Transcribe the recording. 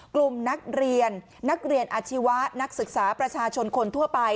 กลุ่มนักเรียนนักเรียนอาชีวะนักศึกษาประชาชนคนทั่วไป